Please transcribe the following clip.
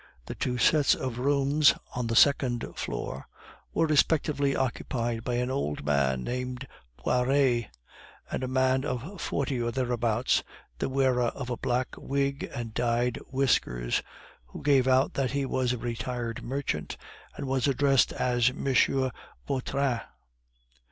The two sets of rooms on the second floor were respectively occupied by an old man named Poiret and a man of forty or thereabouts, the wearer of a black wig and dyed whiskers, who gave out that he was a retired merchant, and was addressed as M. Vautrin.